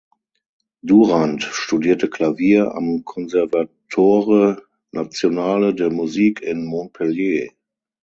Durand studierte Klavier am Conservatoire Nationale de Musique in Montpellier.